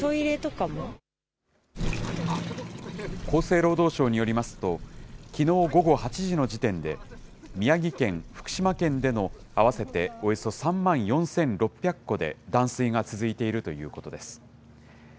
厚生労働省によりますと、きのう午後８時の時点で、宮城県、福島県での合わせておよそ３万４６００戸で断水が続いているということです。